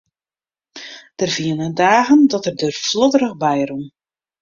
Der wiene dagen dat er der flodderich by rûn.